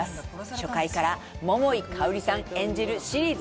初回から桃井かおりさん演じるシリーズ